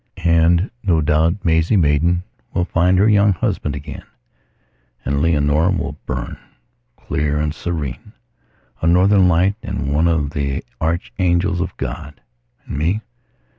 And, no doubt, Maisie Maidan will find her young husband again, and Leonora will burn, clear and serene, a northern light and one of the archangels of God. And me....